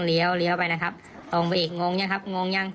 เลี้ยเลี้ยวไปนะครับตรงไปอีกงงยังครับงงยัง